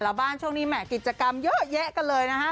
แล้วบ้านช่วงนี้แหม่กิจกรรมเยอะแยะกันเลยนะฮะ